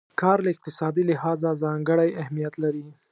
کار له اقتصادي لحاظه ځانګړی اهميت لري.